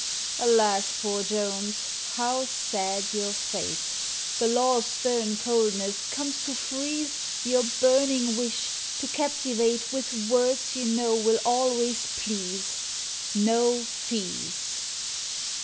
_) Alas, poor JONES, how sad your fate! The Law's stern coldness comes to freeze Your burning wish to captivate With words you know will always please "No fees!"